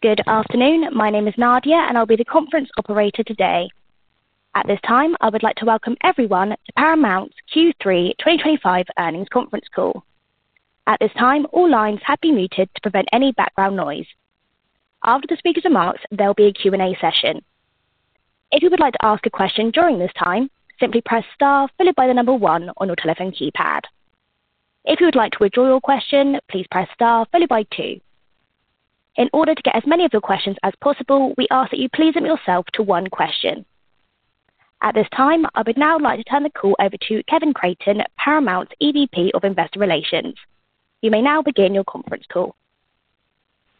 Good afternoon. My name is Nadia, and I'll be the conference operator today. At this time, I would like to welcome everyone to Paramount's Q3 2025 earnings conference call. At this time, all lines have been muted to prevent any background noise. After the speaker's remarks, there will be a Q&A session. If you would like to ask a question during this time, simply press star followed by the number one on your telephone keypad. If you would like to withdraw your question, please press star followed by two. In order to get as many of your questions as possible, we ask that you please limit yourself to one question. At this time, I would now like to turn the call over to Kevin Creighton, Paramount's EVP of Investor Relations. You may now begin your conference call.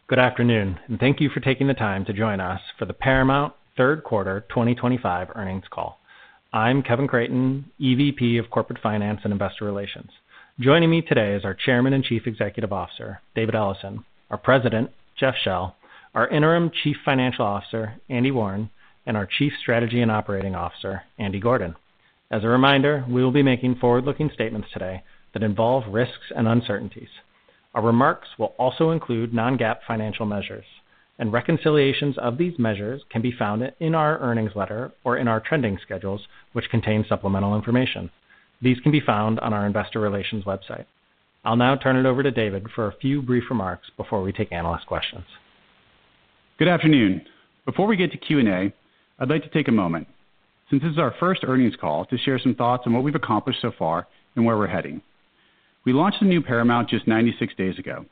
Good afternoon, and thank you for taking the time to join us for the Paramount Third Quarter 2025 earnings call. I'm Kevin Creighton, EVP of Corporate Finance and Investor Relations. Joining me today is our Chairman and Chief Executive Officer, David Ellison, our President, Jeff Shell, our Interim Chief Financial Officer, Andy Warren, and our Chief Strategy and Operating Officer, Andy Gordon. As a reminder, we will be making forward-looking statements today that involve risks and uncertainties. Our remarks will also include non-GAAP financial measures, and reconciliations of these measures can be found in our earnings letter or in our trending schedules, which contain supplemental information. These can be found on our Investor Relations website. I'll now turn it over to David for a few brief remarks before we take analyst questions. Good afternoon. Before we get to Q&A, I'd like to take a moment, since this is our first earnings call, to share some thoughts on what we've accomplished so far and where we're heading. We launched the new Paramount just 96 days ago,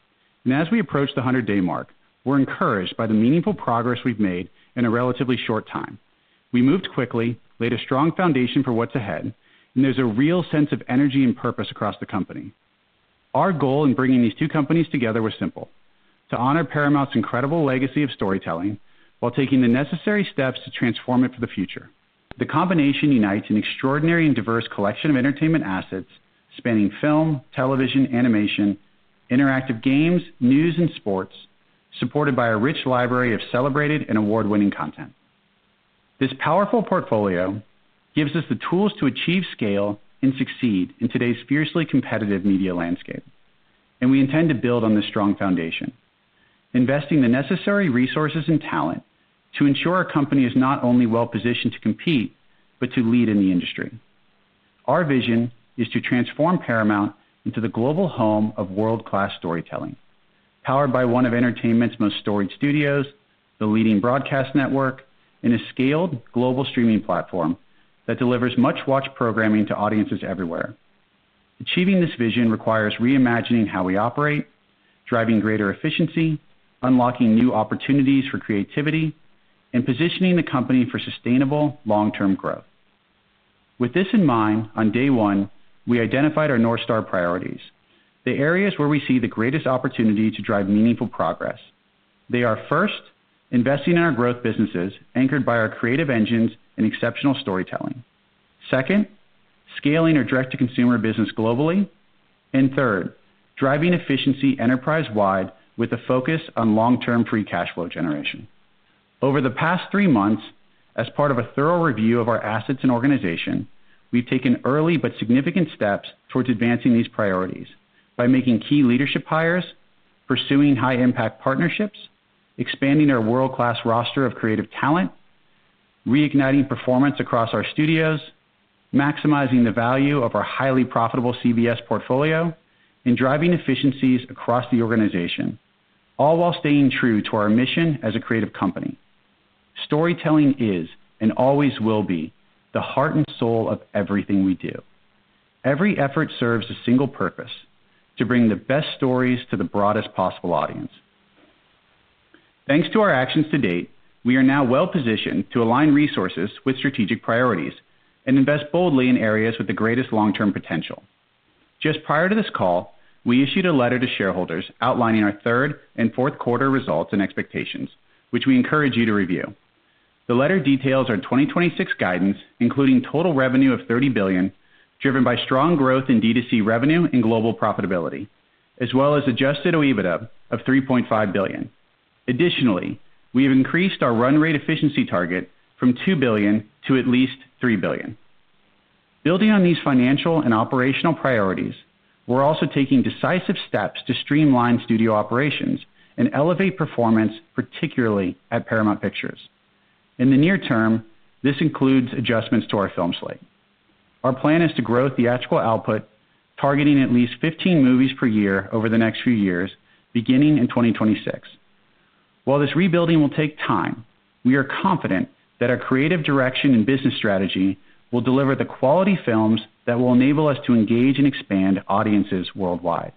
and as we approach the 100-day mark, we're encouraged by the meaningful progress we've made in a relatively short time. We moved quickly, laid a strong foundation for what's ahead, and there's a real sense of energy and purpose across the company. Our goal in bringing these two companies together was simple: to honor Paramount's incredible legacy of storytelling while taking the necessary steps to transform it for the future. The combination unites an extraordinary and diverse collection of entertainment assets spanning film, television, animation, interactive games, news, and sports, supported by a rich library of celebrated and award-winning content. This powerful portfolio gives us the tools to achieve scale and succeed in today's fiercely competitive media landscape, and we intend to build on this strong foundation, investing the necessary resources and talent to ensure our company is not only well-positioned to compete but to lead in the industry. Our vision is to transform Paramount into the global home of world-class storytelling, powered by one of entertainment's most storied studios, the leading broadcast network, and a scaled global streaming platform that delivers much-watched programming to audiences everywhere. Achieving this vision requires reimagining how we operate, driving greater efficiency, unlocking new opportunities for creativity, and positioning the company for sustainable long-term growth. With this in mind, on day one, we identified our North Star priorities, the areas where we see the greatest opportunity to drive meaningful progress. They are: first, investing in our growth businesses anchored by our creative engines and exceptional storytelling; second, scaling our direct-to-consumer business globally; and third, driving efficiency enterprise-wide with a focus on long-term free cash flow generation. Over the past three months, as part of a thorough review of our assets and organization, we've taken early but significant steps towards advancing these priorities by making key leadership hires, pursuing high-impact partnerships, expanding our world-class roster of creative talent, reigniting performance across our studios, maximizing the value of our highly profitable CBS portfolio, and driving efficiencies across the organization, all while staying true to our mission as a creative company. Storytelling is, and always will be, the heart and soul of everything we do. Every effort serves a single purpose: to bring the best stories to the broadest possible audience. Thanks to our actions to date, we are now well-positioned to align resources with strategic priorities and invest boldly in areas with the greatest long-term potential. Just prior to this call, we issued a letter to shareholders outlining our third and fourth quarter results and expectations, which we encourage you to review. The letter details our 2026 guidance, including total revenue of $30 billion, driven by strong growth in D2C revenue and global profitability, as well as adjusted EBITDA of $3.5 billion. Additionally, we have increased our run rate efficiency target from $2 billion to at least $3 billion. Building on these financial and operational priorities, we're also taking decisive steps to streamline studio operations and elevate performance, particularly at Paramount Pictures. In the near term, this includes adjustments to our film slate. Our plan is to grow theatrical output, targeting at least 15 movies per year over the next few years, beginning in 2026. While this rebuilding will take time, we are confident that our creative direction and business strategy will deliver the quality films that will enable us to engage and expand audiences worldwide.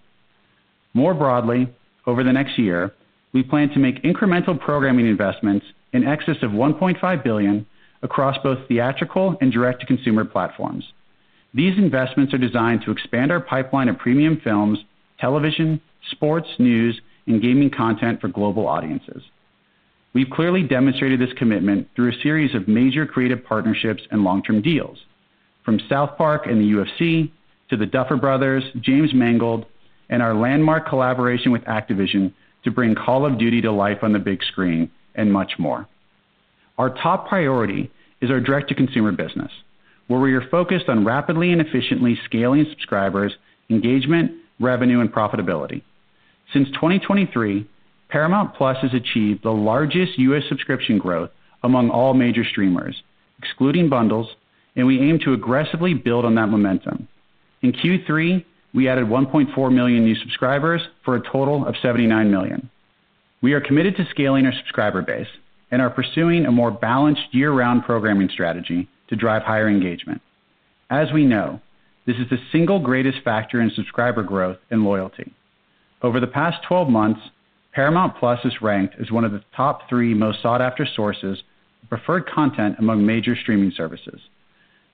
More broadly, over the next year, we plan to make incremental programming investments in excess of $1.5 billion across both theatrical and direct-to-consumer platforms. These investments are designed to expand our pipeline of premium films, television, sports, news, and gaming content for global audiences. We've clearly demonstrated this commitment through a series of major creative partnerships and long-term deals, from South Park and the UFC to the Duffer Brothers, James Mangold, and our landmark collaboration with Activision to bring Call of Duty to life on the big screen and much more. Our top priority is our direct-to-consumer business, where we are focused on rapidly and efficiently scaling subscribers, engagement, revenue, and profitability. Since 2023, Paramount+ has achieved the largest U.S. subscription growth among all major streamers, excluding bundles, and we aim to aggressively build on that momentum. In Q3, we added 1.4 million new subscribers for a total of 79 million. We are committed to scaling our subscriber base and are pursuing a more balanced year-round programming strategy to drive higher engagement. As we know, this is the single greatest factor in subscriber growth and loyalty. Over the past 12 months, Paramount+ is ranked as one of the top three most sought-after sources of preferred content among major streaming services.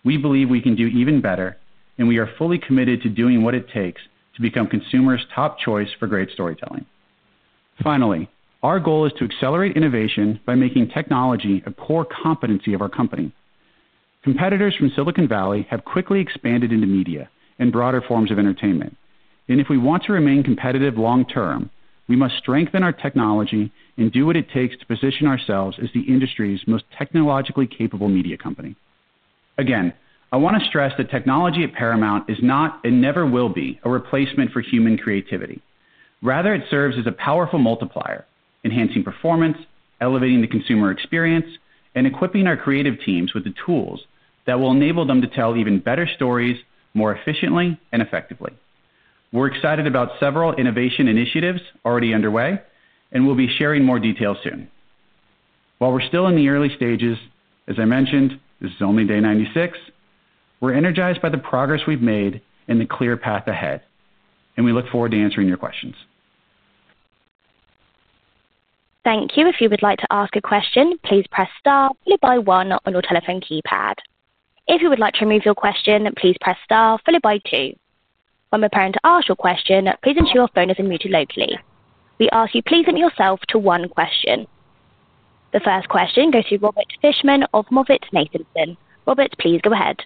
We believe we can do even better, and we are fully committed to doing what it takes to become consumers' top choice for great storytelling. Finally, our goal is to accelerate innovation by making technology a core competency of our company. Competitors from Silicon Valley have quickly expanded into media and broader forms of entertainment, and if we want to remain competitive long-term, we must strengthen our technology and do what it takes to position ourselves as the industry's most technologically capable media company. Again, I want to stress that technology at Paramount is not and never will be a replacement for human creativity. Rather, it serves as a powerful multiplier, enhancing performance, elevating the consumer experience, and equipping our creative teams with the tools that will enable them to tell even better stories more efficiently and effectively. We're excited about several innovation initiatives already underway, and we'll be sharing more details soon. While we're still in the early stages, as I mentioned, this is only day 96, we're energized by the progress we've made and the clear path ahead, and we look forward to answering your questions. Thank you. If you would like to ask a question, please press star followed by one on your telephone keypad. If you would like to remove your question, please press star followed by two. When we're preparing to ask your question, please ensure your phone is unmuted locally. We ask you please limit yourself to one question. The first question goes to Robert Fishman of MoffettNathanson. Robert, please go ahead.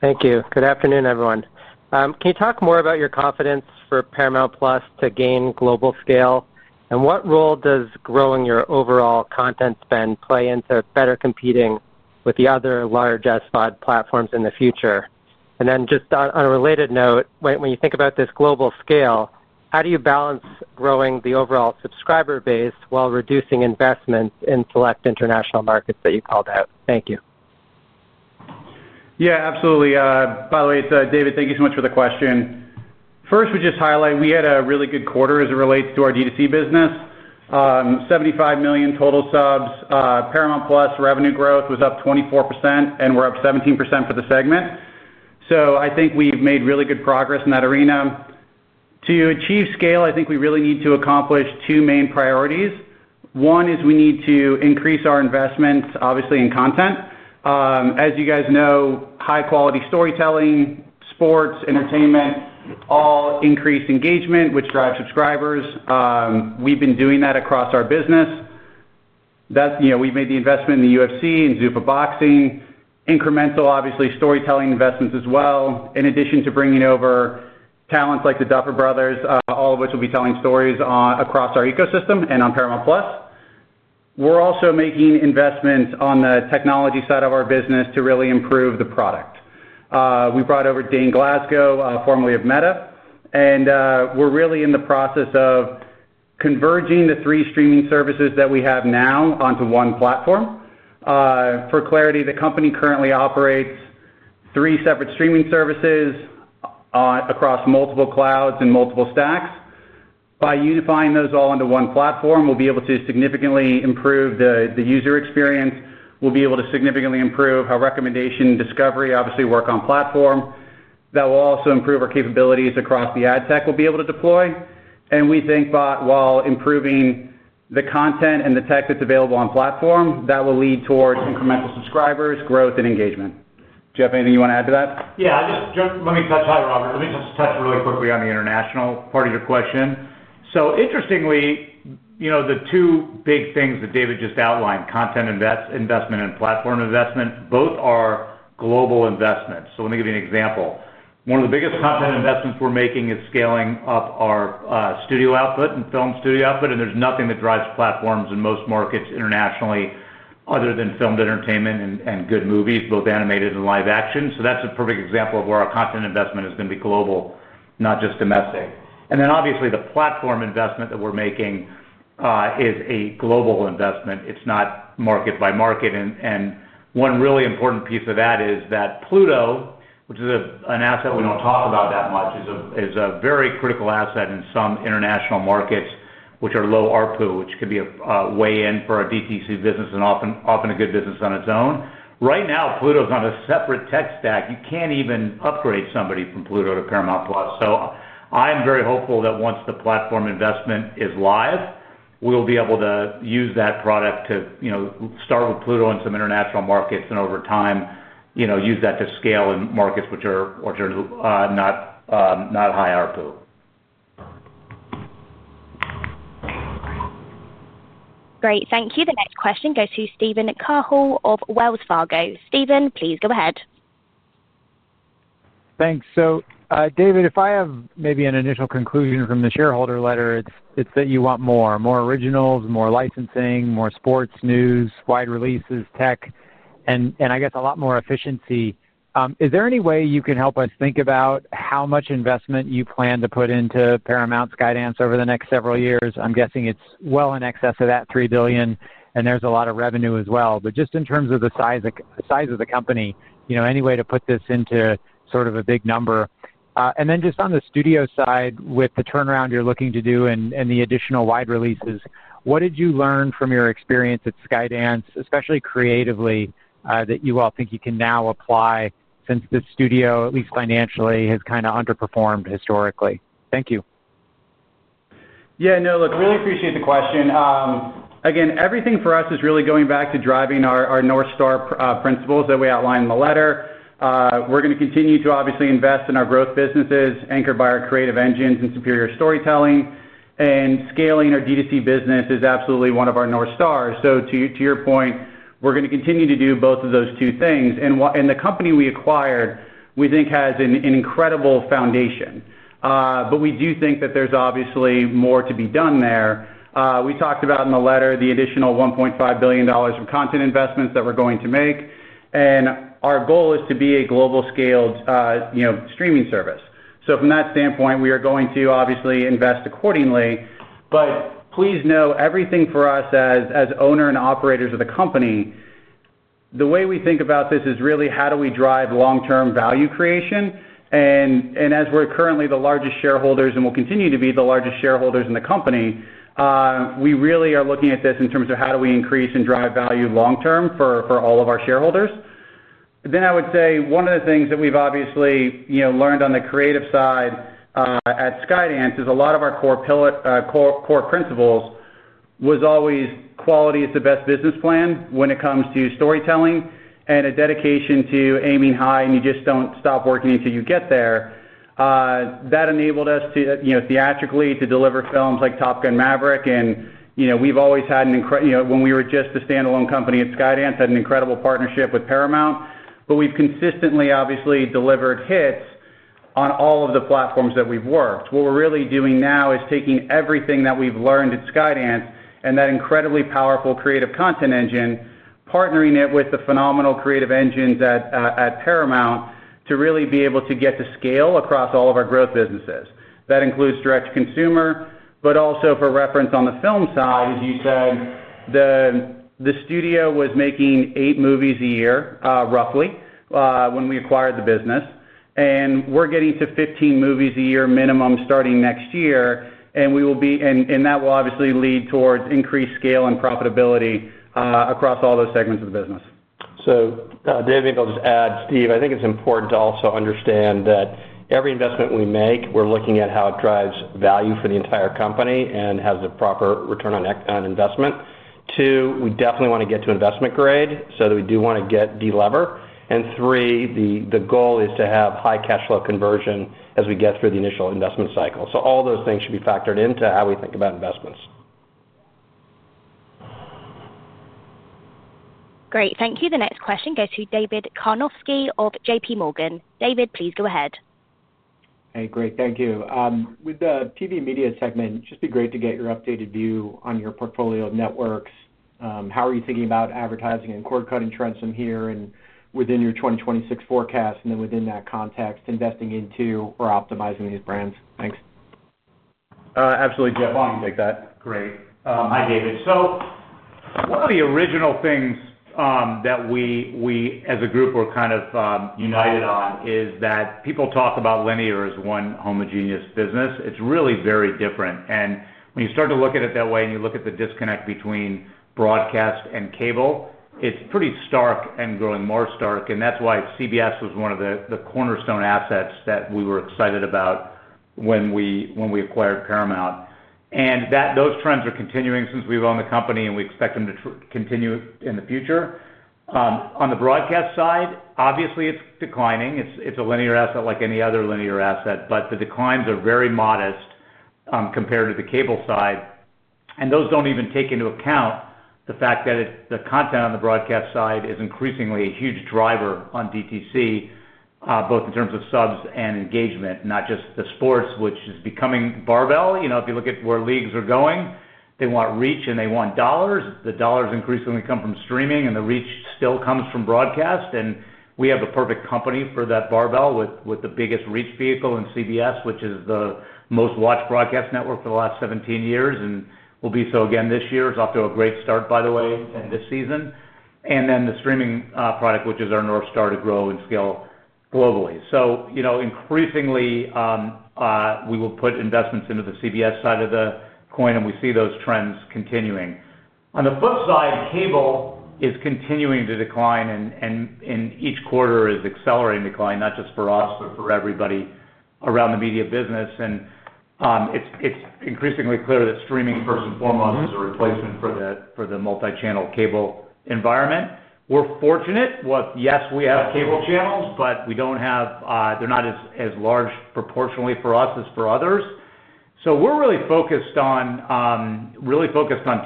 Thank you. Good afternoon, everyone. Can you talk more about your confidence for Paramount+ to gain global scale? What role does growing your overall content spend play into better competing with the other large SVOD platforms in the future? On a related note, when you think about this global scale, how do you balance growing the overall subscriber base while reducing investment in select international markets that you called out? Thank you. Yeah, absolutely. By the way, David, thank you so much for the question. First, we just highlight we had a really good quarter as it relates to our D2C business: 75 million total subs. Paramount+ revenue growth was up 24%, and we're up 17% for the segment. I think we've made really good progress in that arena. To achieve scale, I think we really need to accomplish two main priorities. One is we need to increase our investment, obviously, in content. As you guys know, high-quality storytelling, sports, entertainment all increase engagement, which drives subscribers. We've been doing that across our business. We've made the investment in the UFC and Zupa Boxing, incremental, obviously, storytelling investments as well, in addition to bringing over talents like the Duffer Brothers, all of which will be telling stories across our ecosystem and on Paramount+. We're also making investments on the technology side of our business to really improve the product. We brought over Dane Glasgow, formerly of Meta, and we're really in the process of converging the three streaming services that we have now onto one platform. For clarity, the company currently operates three separate streaming services across multiple clouds and multiple stacks. By unifying those all into one platform, we'll be able to significantly improve the user experience. We'll be able to significantly improve our recommendation discovery, obviously, work on platform. That will also improve our capabilities across the ad tech we'll be able to deploy. We think while improving the content and the tech that's available on platform, that will lead towards incremental subscribers, growth, and engagement. Do you have anything you want to add to that? Yeah. Let me touch on it, Robert. Let me touch really quickly on the international part of your question. Interestingly, the two big things that David just outlined, content investment and platform investment, both are global investments. Let me give you an example. One of the biggest content investments we're making is scaling up our studio output and film studio output, and there is nothing that drives platforms in most markets internationally other than filmed entertainment and good movies, both animated and live action. That is a perfect example of where our content investment is going to be global, not just domestic. Obviously, the platform investment that we're making is a global investment. It is not market by market. One really important piece of that is that Pluto, which is an asset we do not talk about that much, is a very critical asset in some international markets, which are low ARPU, which can be a way in for a DTC business and often a good business on its own. Right now, Pluto is on a separate tech stack. You cannot even upgrade somebody from Pluto to Paramount+. I am very hopeful that once the platform investment is live, we will be able to use that product to start with Pluto in some international markets and over time use that to scale in markets which are not high ARPU. Great. Thank you. The next question goes to Steven Cahall of Wells Fargo. Steven, please go ahead. Thanks. David, if I have maybe an initial conclusion from the shareholder letter, it's that you want more: more originals, more licensing, more sports news, wide releases, tech, and I guess a lot more efficiency. Is there any way you can help us think about how much investment you plan to put into Paramount Skydance over the next several years? I'm guessing it's well in excess of that $3 billion, and there's a lot of revenue as well. Just in terms of the size of the company, any way to put this into sort of a big number? On the studio side, with the turnaround you're looking to do and the additional wide releases, what did you learn from your experience at Skydance, especially creatively, that you all think you can now apply since the studio, at least financially, has kind of underperformed historically? Thank you. Yeah. No, look, really appreciate the question. Again, everything for us is really going back to driving our North Star principles that we outlined in the letter. We're going to continue to, obviously, invest in our growth businesses anchored by our creative engines and superior storytelling, and scaling our D2C business is absolutely one of our North Stars. To your point, we're going to continue to do both of those two things. The company we acquired, we think, has an incredible foundation, but we do think that there's obviously more to be done there. We talked about in the letter the additional $1.5 billion of content investments that we're going to make, and our goal is to be a global-scaled streaming service. From that standpoint, we are going to, obviously, invest accordingly. Please know everything for us as owner and operators of the company, the way we think about this is really how do we drive long-term value creation. As we're currently the largest shareholders, and we'll continue to be the largest shareholders in the company, we really are looking at this in terms of how do we increase and drive value long-term for all of our shareholders. I would say one of the things that we've obviously learned on the creative side at Skydance is a lot of our core principles was always quality is the best business plan when it comes to storytelling and a dedication to aiming high, and you just don't stop working until you get there. That enabled us theatrically to deliver films like Top Gun: Maverick, and we've always had an incredible—when we were just a standalone company at Skydance, had an incredible partnership with Paramount—but we've consistently, obviously, delivered hits on all of the platforms that we've worked. What we're really doing now is taking everything that we've learned at Skydance and that incredibly powerful creative content engine, partnering it with the phenomenal creative engines at Paramount to really be able to get to scale across all of our growth businesses. That includes direct-to-consumer, but also for reference on the film side, as you said, the studio was making eight movies a year, roughly, when we acquired the business, and we're getting to 15 movies a year minimum starting next year, and that will obviously lead towards increased scale and profitability across all those segments of the business. David, I'll just add, Steve, I think it's important to also understand that every investment we make, we're looking at how it drives value for the entire company and has a proper return on investment. Two, we definitely want to get to investment grade so that we do want to get de-lever. Three, the goal is to have high cash flow conversion as we get through the initial investment cycle. All those things should be factored into how we think about investments. Great. Thank you. The next question goes to David Karnovsky of JPMorgan. David, please go ahead. Hey, great. Thank you. With the TV media segment, it'd just be great to get your updated view on your portfolio of networks. How are you thinking about advertising and cord cutting trends from here and within your 2026 forecast, and then within that context, investing into or optimizing these brands? Thanks. Absolutely. Jeff, you can take that. Great. Hi, David. One of the original things that we, as a group, were kind of united on is that people talk about linear as one homogeneous business. It is really very different. When you start to look at it that way and you look at the disconnect between broadcast and cable, it is pretty stark and growing more stark, which is why CBS was one of the cornerstone assets that we were excited about when we acquired Paramount. Those trends are continuing since we have owned the company, and we expect them to continue in the future. On the broadcast side, obviously, it is declining. It is a linear asset like any other linear asset, but the declines are very modest compared to the cable side. Those do not even take into account the fact that the content on the broadcast side is increasingly a huge driver on DTC, both in terms of subs and engagement, not just the sports, which is becoming barbell. If you look at where leagues are going, they want reach, and they want dollars. The dollars increasingly come from streaming, and the reach still comes from broadcast. We have the perfect company for that barbell with the biggest reach vehicle in CBS, which is the most-watched broadcast network for the last 17 years, and will be so again this year. It is off to a great start, by the way, this season. The streaming product, which is our North Star, is to grow and scale globally. Increasingly, we will put investments into the CBS side of the coin, and we see those trends continuing. On the flip side, cable is continuing to decline, and each quarter is accelerating decline, not just for us but for everybody around the media business. It is increasingly clear that streaming, first and foremost, is a replacement for the multi-channel cable environment. We are fortunate. Yes, we have cable channels, but we do not have—they are not as large proportionally for us as for others. We are really focused on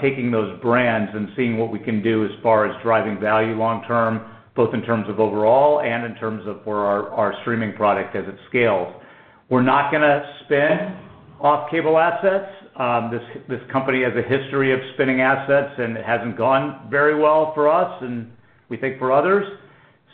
taking those brands and seeing what we can do as far as driving value long-term, both in terms of overall and in terms of for our streaming product as it scales. We are not going to spin off cable assets. This company has a history of spinning assets, and it has not gone very well for us, and we think for others.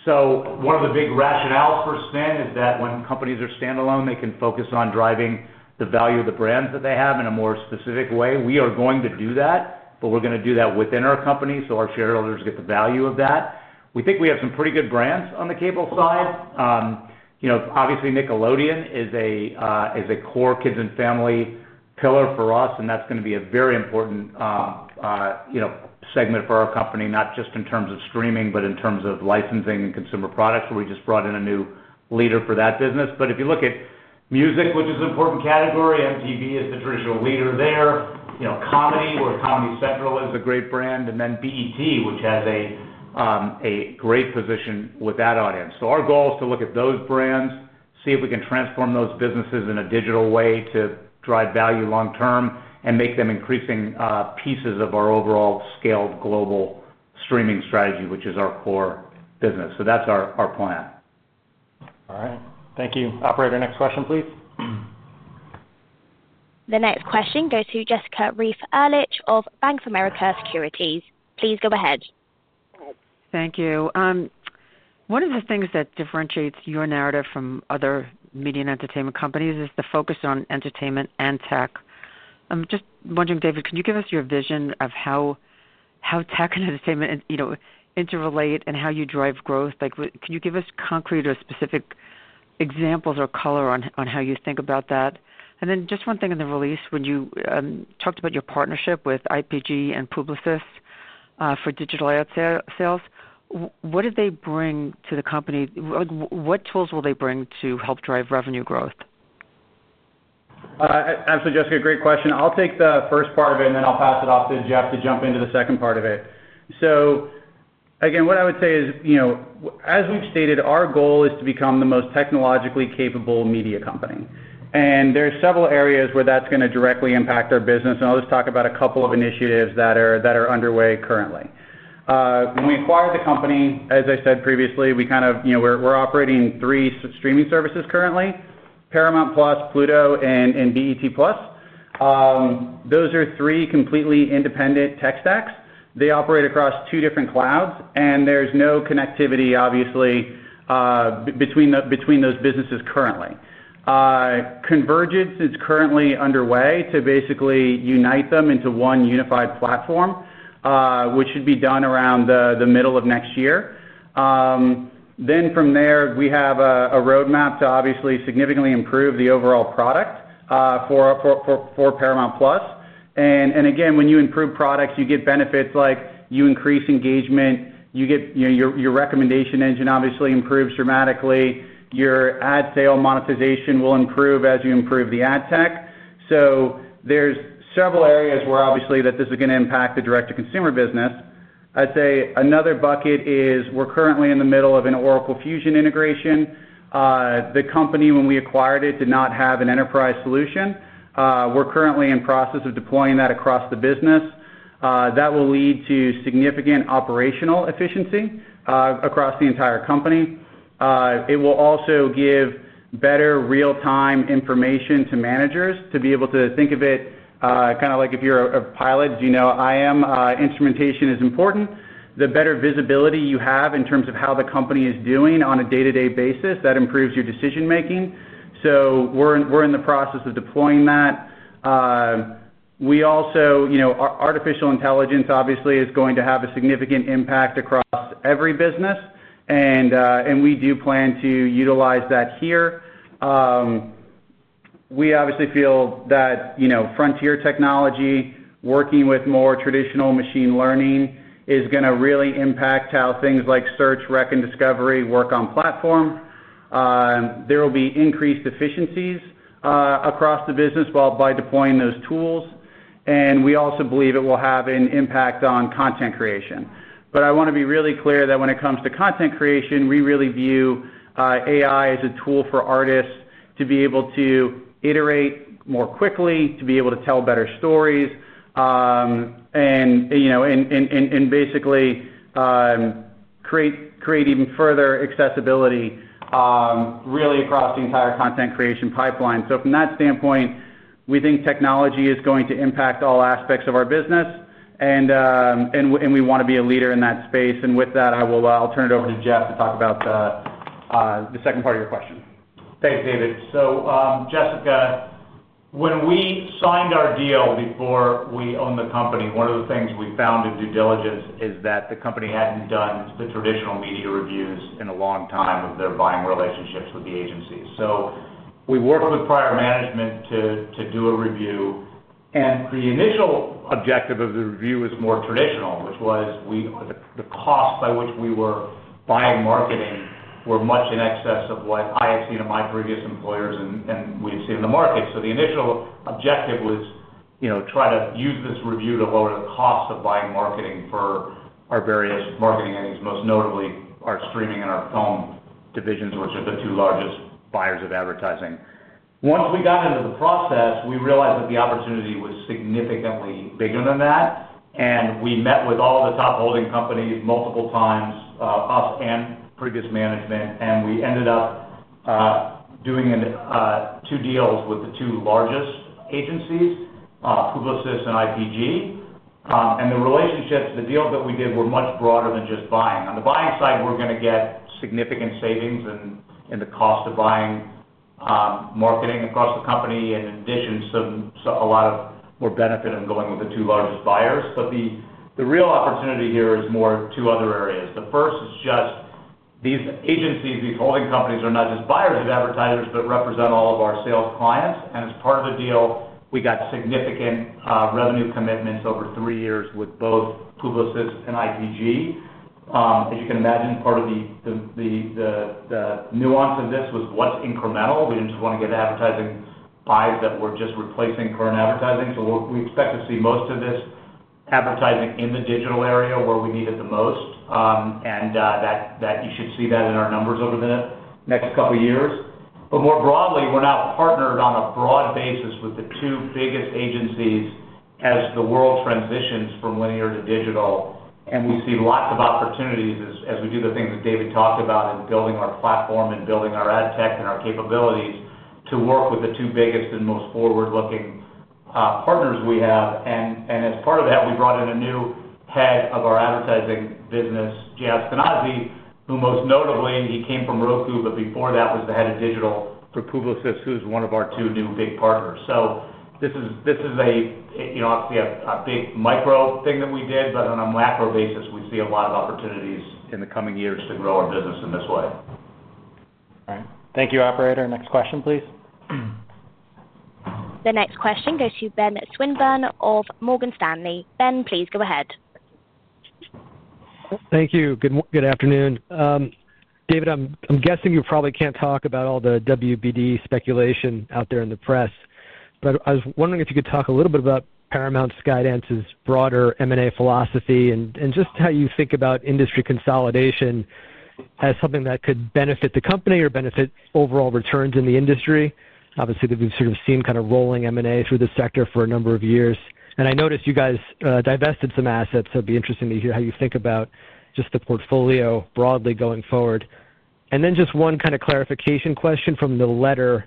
One of the big rationales for spin is that when companies are standalone, they can focus on driving the value of the brands that they have in a more specific way. We are going to do that, but we're going to do that within our company so our shareholders get the value of that. We think we have some pretty good brands on the cable side. Obviously, Nickelodeon is a core kids and family pillar for us, and that's going to be a very important segment for our company, not just in terms of streaming, but in terms of licensing and consumer products, where we just brought in a new leader for that business. If you look at music, which is an important category, MTV is the traditional leader there. Comedy, where Comedy Central is a great brand, and then BET, which has a great position with that audience. Our goal is to look at those brands, see if we can transform those businesses in a digital way to drive value long-term and make them increasing pieces of our overall scaled global streaming strategy, which is our core business. That is our plan. All right. Thank you. Operator, next question, please. The next question goes to Jessica Reif Ehrlich of Bank of America Securities. Please go ahead. Thank you. One of the things that differentiates your narrative from other media and entertainment companies is the focus on entertainment and tech. I'm just wondering, David, can you give us your vision of how tech and entertainment interrelate and how you drive growth? Can you give us concrete or specific examples or color on how you think about that? In the release, when you talked about your partnership with IPG and Publicis for digital ad sales, what do they bring to the company? What tools will they bring to help drive revenue growth? Absolutely, Jessica. Great question. I'll take the first part of it, and then I'll pass it off to Jeff to jump into the second part of it. Again, what I would say is, as we've stated, our goal is to become the most technologically capable media company. There are several areas where that's going to directly impact our business, and I'll just talk about a couple of initiatives that are underway currently. When we acquired the company, as I said previously, we kind of—we're operating three streaming services currently: Paramount+, Pluto, and BET+. Those are three completely independent tech stacks. They operate across two different clouds, and there's no connectivity, obviously, between those businesses currently. Convergence is currently underway to basically unite them into one unified platform, which should be done around the middle of next year. From there, we have a roadmap to obviously significantly improve the overall product for Paramount+. Again, when you improve products, you get benefits like you increase engagement, your recommendation engine obviously improves dramatically, your ad sale monetization will improve as you improve the ad tech. There are several areas where, obviously, this is going to impact the direct-to-consumer business. I'd say another bucket is we're currently in the middle of an Oracle Fusion integration. The company, when we acquired it, did not have an enterprise solution. We're currently in the process of deploying that across the business. That will lead to significant operational efficiency across the entire company. It will also give better real-time information to managers to be able to think of it kind of like if you're a pilot, as you know, IM instrumentation is important. The better visibility you have in terms of how the company is doing on a day-to-day basis, that improves your decision-making. We are in the process of deploying that. We also, artificial intelligence, obviously, is going to have a significant impact across every business, and we do plan to utilize that here. We obviously feel that frontier technology, working with more traditional machine learning, is going to really impact how things like search, rec, and discovery work on platform. There will be increased efficiencies across the business by deploying those tools, and we also believe it will have an impact on content creation. I want to be really clear that when it comes to content creation, we really view AI as a tool for artists to be able to iterate more quickly, to be able to tell better stories, and basically create even further accessibility really across the entire content creation pipeline. From that standpoint, we think technology is going to impact all aspects of our business, and we want to be a leader in that space. With that, I'll turn it over to Jeff to talk about the second part of your question. Thanks, David. Jessica, when we signed our deal before we owned the company, one of the things we found in due diligence is that the company had not done the traditional media reviews in a long time of their buying relationships with the agency. We worked with prior management to do a review, and the initial objective of the review was more traditional, which was the cost by which we were buying marketing were much in excess of what I had seen in my previous employers and we had seen in the market. The initial objective was to try to use this review to lower the cost of buying marketing for our various marketing entities, most notably our streaming and our film divisions, which are the two largest buyers of advertising. Once we got into the process, we realized that the opportunity was significantly bigger than that, and we met with all the top holding companies multiple times, us and previous management, and we ended up doing two deals with the two largest agencies, Publicis and IPG. The relationships, the deals that we did were much broader than just buying. On the buying side, we're going to get significant savings in the cost of buying marketing across the company, in addition to a lot more benefit of going with the two largest buyers. The real opportunity here is more two other areas. The first is just these agencies, these holding companies are not just buyers of advertisers but represent all of our sales clients. As part of the deal, we got significant revenue commitments over three years with both Publicis and IPG. As you can imagine, part of the nuance of this was what's incremental. We did not just want to get advertising buys that were just replacing current advertising. We expect to see most of this advertising in the digital area where we need it the most, and you should see that in our numbers over the next couple of years. More broadly, we are now partnered on a broad basis with the two biggest agencies as the world transitions from linear to digital, and we see lots of opportunities as we do the things that David talked about in building our platform and building our ad tech and our capabilities to work with the two biggest and most forward-looking partners we have. As part of that, we brought in a new head of our advertising business, Jaskinazi, who most notably, he came from Roku, but before that was the head of digital for Publicis, who is one of our two new big partners. This is obviously a big micro thing that we did, but on a macro basis, we see a lot of opportunities in the coming years to grow our business in this way. All right. Thank you, Operator. Next question, please. The next question goes to Ben Swinburne of Morgan Stanley. Ben, please go ahead. Thank you. Good afternoon. David, I'm guessing you probably can't talk about all the WBD speculation out there in the press, but I was wondering if you could talk a little bit about Paramount Skydance's broader M&A philosophy and just how you think about industry consolidation as something that could benefit the company or benefit overall returns in the industry. Obviously, we've sort of seen kind of rolling M&A through the sector for a number of years, and I noticed you guys divested some assets. It'd be interesting to hear how you think about just the portfolio broadly going forward. And then just one kind of clarification question from the letter.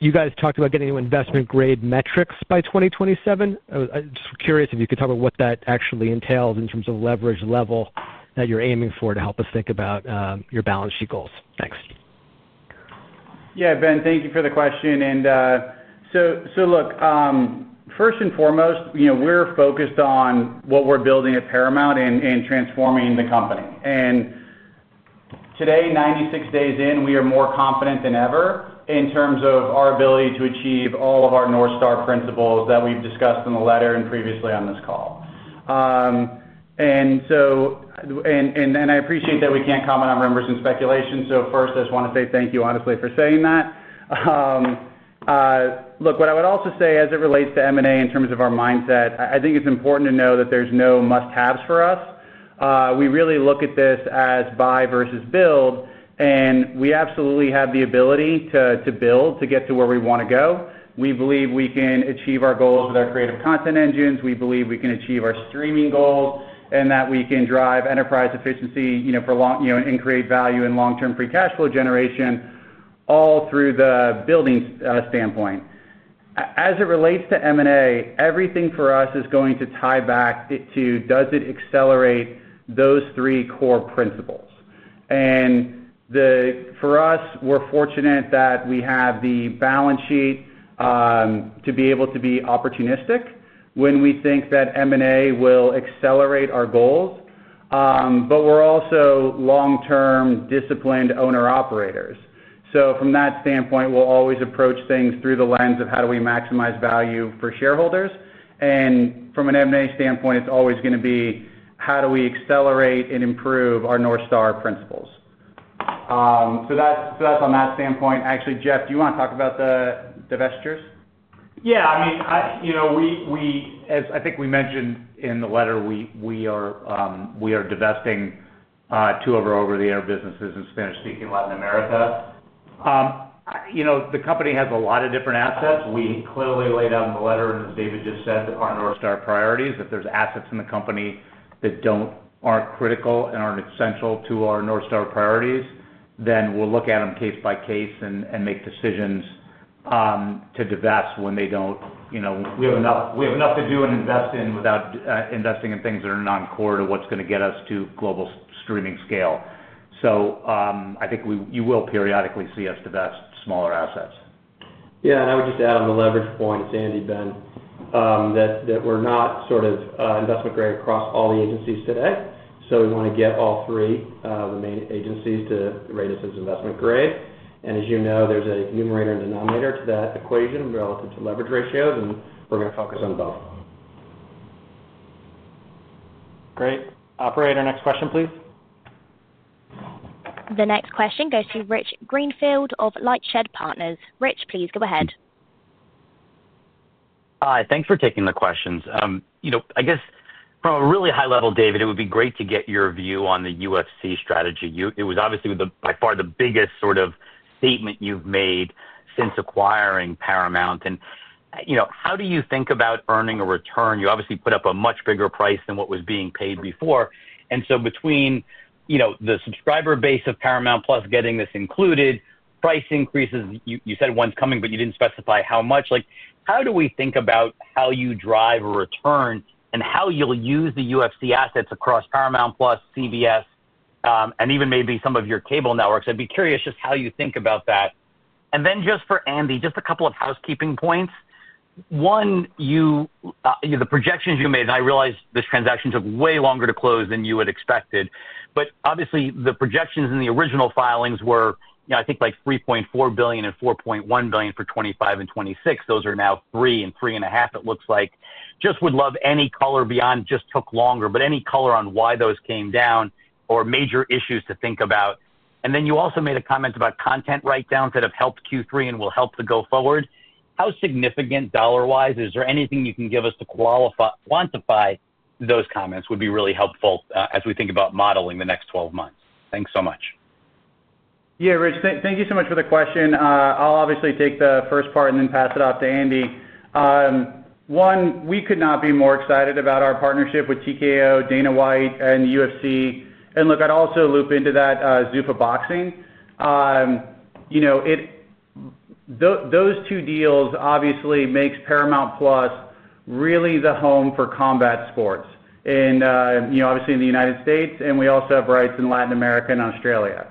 You guys talked about getting investment-grade metrics by 2027. I'm just curious if you could talk about what that actually entails in terms of leverage level that you're aiming for to help us think about your balance sheet goals. Thanks. Yeah, Ben, thank you for the question. Look, first and foremost, we're focused on what we're building at Paramount and transforming the company. Today, 96 days in, we are more confident than ever in terms of our ability to achieve all of our North Star principles that we've discussed in the letter and previously on this call. I appreciate that we can't comment on rumors and speculation. First, I just want to say thank you honestly for saying that. What I would also say as it relates to M&A in terms of our mindset, I think it's important to know that there's no must-haves for us. We really look at this as buy versus build, and we absolutely have the ability to build to get to where we want to go. We believe we can achieve our goals with our creative content engines. We believe we can achieve our streaming goals and that we can drive enterprise efficiency and create value in long-term free cash flow generation all through the building standpoint. As it relates to M&A, everything for us is going to tie back to does it accelerate those three core principles. For us, we're fortunate that we have the balance sheet to be able to be opportunistic when we think that M&A will accelerate our goals, but we're also long-term disciplined owner-operators. From that standpoint, we'll always approach things through the lens of how do we maximize value for shareholders. From an M&A standpoint, it's always going to be how do we accelerate and improve our North Star principles. That's on that standpoint. Actually, Jeff, do you want to talk about the divestitures? Yeah. I mean, as I think we mentioned in the letter, we are divesting two of our over-the-air businesses in Spanish-speaking Latin America. The company has a lot of different assets. We clearly laid out in the letter, and as David just said, our North Star priorities, if there are assets in the company that are not critical and are not essential to our North Star priorities, then we will look at them case by case and make decisions to divest when they do not. We have enough to do and invest in without investing in things that are not core to what is going to get us to global streaming scale. I think you will periodically see us divest smaller assets. Yeah. I would just add on the leverage point, Sandy, Ben, that we are not sort of investment-grade across all the agencies today. We want to get all three of the main agencies to rate us as investment-grade. And as you know, there's a numerator and denominator to that equation relative to leverage ratios, and we're going to focus on both. Great. Operator, next question, please. The next question goes to Rich Greenfield of Lightshed Partners. Rich, please go ahead. Hi. Thanks for taking the questions. I guess from a really high level, David, it would be great to get your view on the UFC strategy. It was obviously by far the biggest sort of statement you've made since acquiring Paramount. How do you think about earning a return? You obviously put up a much bigger price than what was being paid before. Between the subscriber base of Paramount+ getting this included, price increases, you said one's coming, but you didn't specify how much. How do we think about how you drive a return and how you'll use the UFC assets across Paramount+, CBS, and even maybe some of your cable networks? I'd be curious just how you think about that. Then just for Andy, just a couple of housekeeping points. One, the projections you made, and I realized this transaction took way longer to close than you had expected, but obviously the projections in the original filings were, I think, like $3.4 billion and $4.1 billion for 2025 and 2026. Those are now $3 billion and $3.5 billion, it looks like. Just would love any color beyond just took longer, but any color on why those came down or major issues to think about. You also made a comment about content write-downs that have helped Q3 and will help to go forward. How significant dollar-wise? Is there anything you can give us to quantify those comments? Would be really helpful as we think about modeling the next 12 months. Thanks so much. Yeah, Rich, thank you so much for the question. I'll obviously take the first part and then pass it off to Andy. One, we could not be more excited about our partnership with TKO, Dana White, and UFC. I’d also loop into that Zupa Boxing. Those two deals obviously make Paramount+ really the home for combat sports, obviously in the U.S., and we also have rights in Latin America and Australia.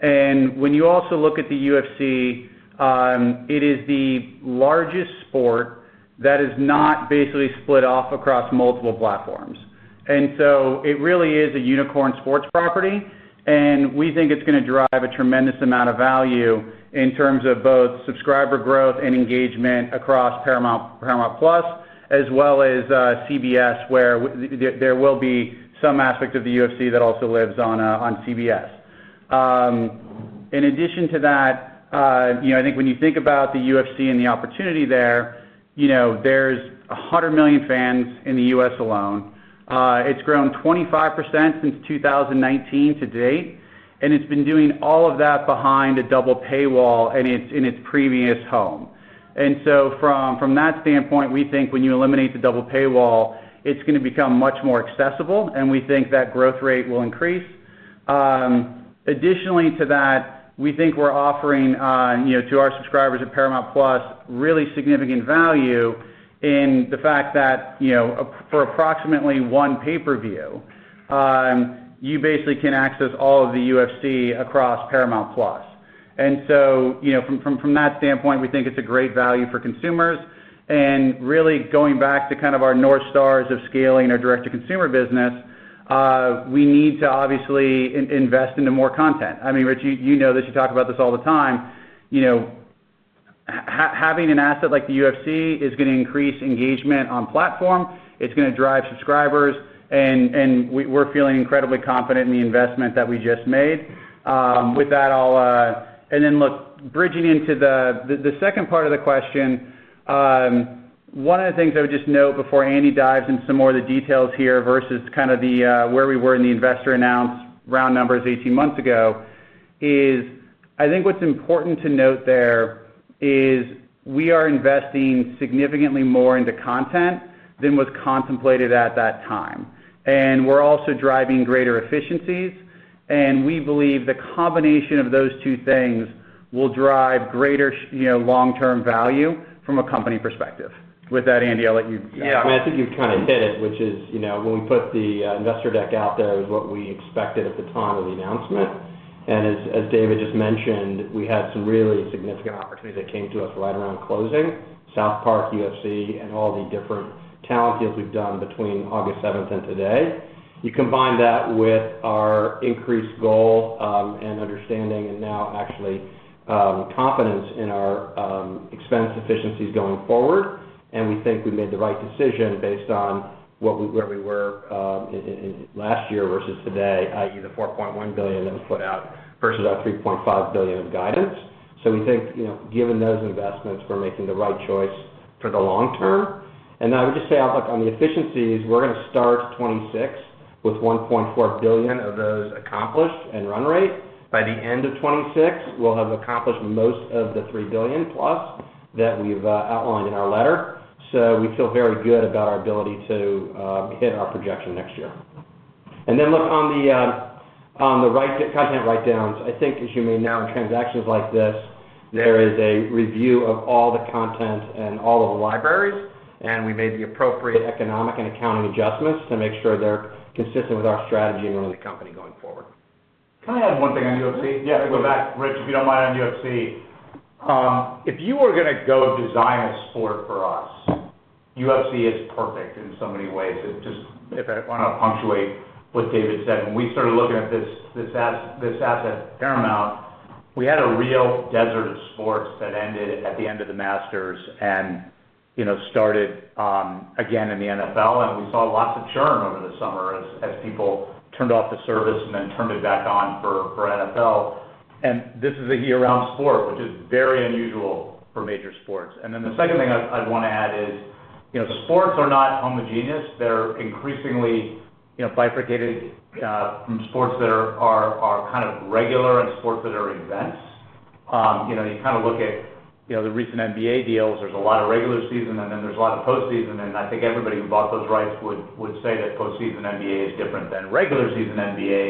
When you also look at the UFC, it is the largest sport that is not basically split off across multiple platforms. It really is a unicorn sports property, and we think it's going to drive a tremendous amount of value in terms of both subscriber growth and engagement across Paramount+ as well as CBS, where there will be some aspect of the UFC that also lives on CBS. In addition to that, I think when you think about the UFC and the opportunity there, there are 100 million fans in the U.S. alone. It has grown 25% since 2019 to date, and it has been doing all of that behind a double paywall in its previous home. From that standpoint, we think when you eliminate the double paywall, it is going to become much more accessible, and we think that growth rate will increase. Additionally to that, we think we are offering to our subscribers at Paramount+ really significant value in the fact that for approximately one pay-per-view, you basically can access all of the UFC across Paramount+. From that standpoint, we think it is a great value for consumers. Really going back to kind of our North Stars of scaling our direct-to-consumer business, we need to obviously invest into more content. I mean, Rich, you know this. You talk about this all the time. Having an asset like the UFC is going to increase engagement on platform. It's going to drive subscribers, and we're feeling incredibly confident in the investment that we just made. With that, I'll—and then look, bridging into the second part of the question, one of the things I would just note before Andy dives into some more of the details here versus kind of where we were in the investor announce round numbers 18 months ago is I think what's important to note there is we are investing significantly more into content than was contemplated at that time. We're also driving greater efficiencies, and we believe the combination of those two things will drive greater long-term value from a company perspective. With that, Andy, I'll let you go. Yeah. I mean, I think you've kind of hit it, which is when we put the investor deck out there was what we expected at the time of the announcement. And as David just mentioned, we had some really significant opportunities that came to us right around closing: South Park, UFC, and all the different talent deals we've done between August 7 and today. You combine that with our increased goal and understanding and now actually confidence in our expense efficiencies going forward, and we think we made the right decision based on where we were last year versus today, i.e., the $4.1 billion that was put out versus our $3.5 billion of guidance. We think given those investments, we're making the right choice for the long term. I would just say on the efficiencies, we're going to start 2026 with $1.4 billion of those accomplished and run rate. By the end of 2026, we'll have accomplished most of the $3 billion plus that we've outlined in our letter. We feel very good about our ability to hit our projection next year. Look, on the content write-downs, I think, as you may know, in transactions like this, there is a review of all the content and all of the libraries, and we made the appropriate economic and accounting adjustments to make sure they're consistent with our strategy and running the company going forward. Can I add one thing on UFC? Yeah. Go back, Rich, if you don't mind, on UFC. If you were going to go design a sport for us, UFC is perfect in so many ways. Just want to punctuate what David said. When we started looking at this asset, Paramount, we had a real desert of sports that ended at the end of the Masters and started again in the NFL. We saw lots of churn over the summer as people turned off the service and then turned it back on for NFL. This is a year-round sport, which is very unusual for major sports. The second thing I'd want to add is sports are not homogeneous. They're increasingly bifurcated from sports that are kind of regular and sports that are events. You kind of look at the recent NBA deals. There's a lot of regular season, and then there's a lot of postseason. I think everybody who bought those rights would say that postseason NBA is different than regular season NBA.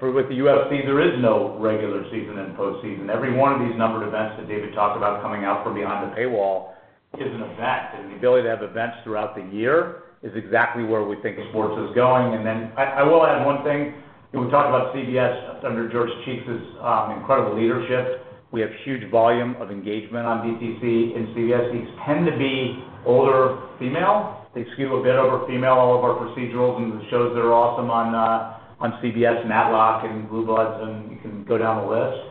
With the UFC, there is no regular season and postseason. Every one of these numbered events that David talked about coming out from behind the paywall is an event. The ability to have events throughout the year is exactly where we think sports is going. I will add one thing. We talked about CBS under George Cheeks' incredible leadership. We have huge volume of engagement on DTC and CBS. They tend to be older female. They skew a bit over female, all of our procedurals and the shows that are awesome on CBS, Matlock, and Blue Bloods, and you can go down the list.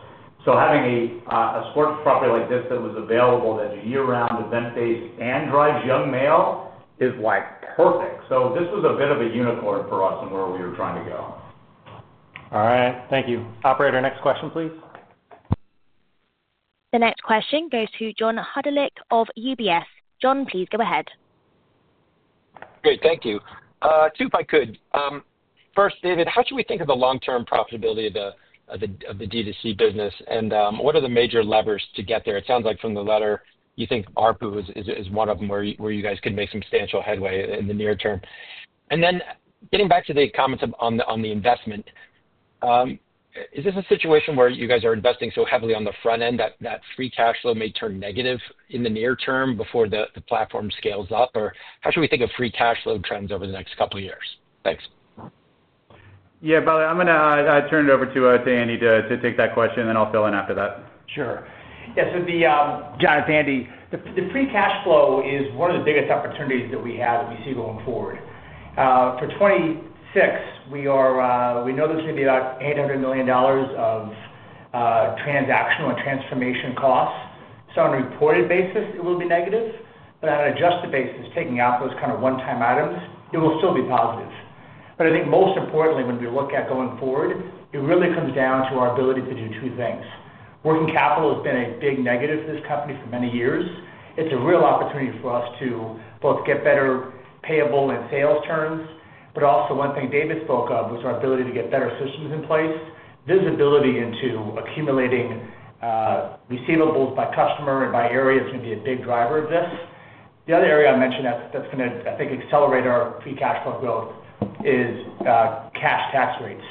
Having a sports property like this that was available, that is year-round event-based and drives young male, is perfect. This was a bit of a unicorn for us in where we were trying to go. All right. Thank you. Operator, next question, please. The next question goes to John Hodulik of UBS. John, please go ahead. Great. Thank you. Two, if I could. First, David, how should we think of the long-term profitability of the DTC business, and what are the major levers to get there? It sounds like from the letter, you think ARPU is one of them where you guys can make substantial headway in the near term. Getting back to the comments on the investment, is this a situation where you guys are investing so heavily on the front end that free cash flow may turn negative in the near term before the platform scales up? How should we think of free cash flow trends over the next couple of years? Thanks. Yeah. By the way, I'm going to turn it over to Andy to take that question, and then I'll fill in after that. Sure. Yes. It would be John, it's Andy. The free cash flow is one of the biggest opportunities that we have that we see going forward. For 2026, we know there's going to be about $800 million of transactional and transformation costs. So on a reported basis, it will be negative. On an adjusted basis, taking out those kind of one-time items, it will still be positive. I think most importantly, when we look at going forward, it really comes down to our ability to do two things. Working capital has been a big negative for this company for many years. It's a real opportunity for us to both get better payable and sales turns. Also, one thing David spoke of was our ability to get better systems in place. Visibility into accumulating receivables by customer and by area is going to be a big driver of this. The other area I mentioned that's going to, I think, accelerate our free cash flow growth is cash tax rates.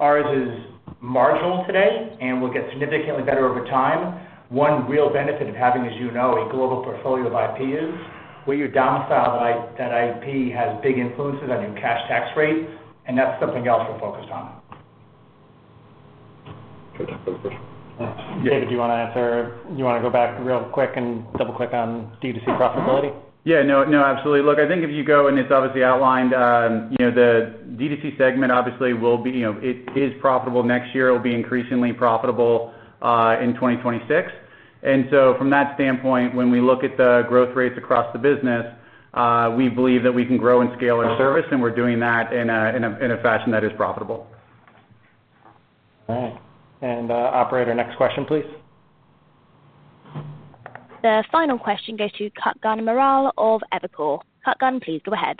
Ours is marginal today, and we'll get significantly better over time. One real benefit of having, as you know, a global portfolio of IP is where your domicile of that IP has big influences on your cash tax rate, and that's something else we're focused on. David, do you want to answer? Do you want to go back real quick and double-click on DTC profitability? Yeah. No, absolutely. Look, I think if you go and it's obviously outlined, the DTC segment obviously will be, it is profitable next year. It'll be increasingly profitable in 2026. From that standpoint, when we look at the growth rates across the business, we believe that we can grow and scale our service, and we're doing that in a fashion that is profitable. All right. Operator, next question, please. The final question goes to Kutgun Maral of Evercore. Cutgun, please go ahead.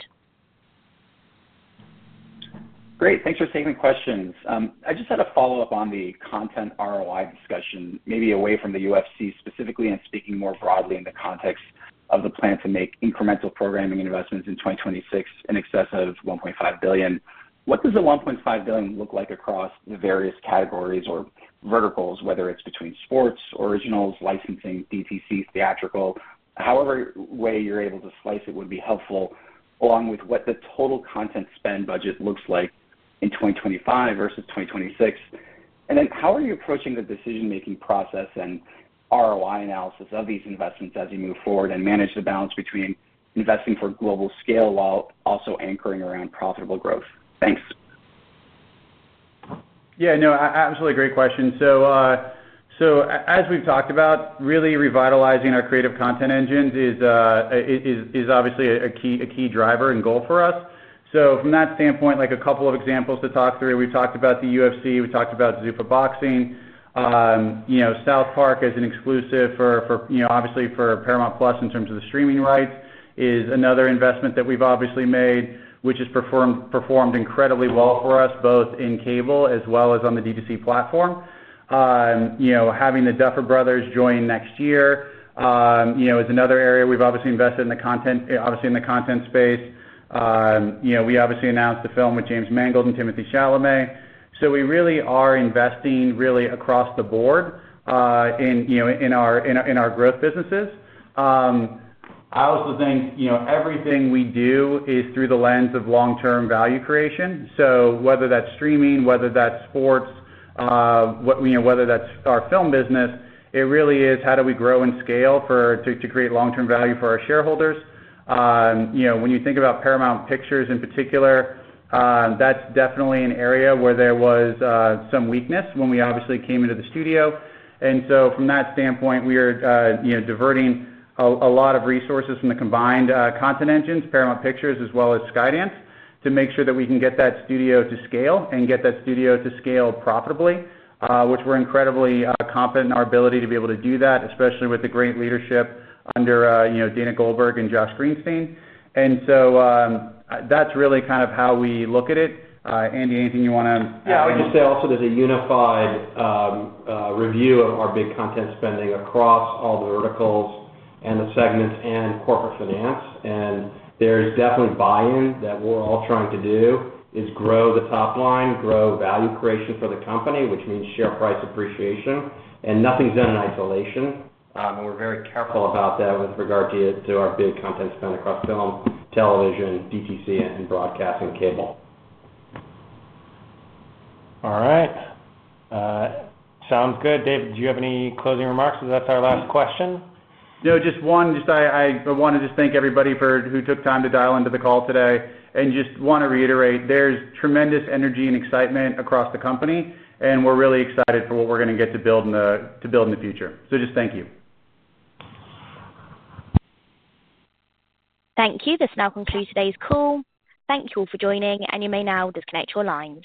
Great. Thanks for taking the questions. I just had a follow-up on the content ROI discussion, maybe away from the UFC specifically and speaking more broadly in the context of the plan to make incremental programming investments in 2026 in excess of $1.5 billion. What does the $1.5 billion look like across the various categories or verticals, whether it's between sports, originals, licensing, DTC, theatrical? However way you're able to slice it would be helpful, along with what the total content spend budget looks like in 2025 versus 2026. Then how are you approaching the decision-making process and ROI analysis of these investments as you move forward and manage the balance between investing for global scale while also anchoring around profitable growth? Thanks. Yeah. No, absolutely great question. As we've talked about, really revitalizing our creative content engines is obviously a key driver and goal for us. From that standpoint, a couple of examples to talk through. We've talked about the UFC. We talked about Zupa Boxing. South Park as an exclusive for, obviously, for Paramount+ in terms of the streaming rights is another investment that we've obviously made, which has performed incredibly well for us both in cable as well as on the D2C platform. Having the Duffer Brothers join next year is another area we've obviously invested in the content, obviously in the content space. We obviously announced the film with James Mangold and Timothy Chalamet. We really are investing really across the board in our growth businesses. I also think everything we do is through the lens of long-term value creation. Whether that's streaming, whether that's sports, whether that's our film business, it really is how do we grow and scale to create long-term value for our shareholders. When you think about Paramount Pictures in particular, that's definitely an area where there was some weakness when we obviously came into the studio. From that standpoint, we are diverting a lot of resources from the combined content engines, Paramount Pictures as well as Skydance, to make sure that we can get that studio to scale and get that studio to scale profitably, which we're incredibly confident in our ability to be able to do that, especially with the great leadership under Dana Goldberg and Josh Greenstein. That's really kind of how we look at it. Andy, anything you want to add? Yeah. I would just say also there's a unified review of our big content spending across all the verticals and the segments and corporate finance. There's definitely buy-in that what we're all trying to do is grow the top line, grow value creation for the company, which means share price appreciation. Nothing's done in isolation. We're very careful about that with regard to our big content spend across film, television, DTC, and broadcasting cable. All right. Sounds good. David, do you have any closing remarks? Because that's our last question. No, just one. I want to just thank everybody who took time to dial into the call today. I just want to reiterate, there's tremendous energy and excitement across the company, and we're really excited for what we're going to get to build in the future. So just thank you. Thank you. This now concludes today's call. Thank you all for joining, and you may now disconnect your lines.